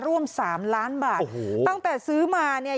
ร่วมสามล้านบาทตั้งแต่ซื้อมาเนี่ย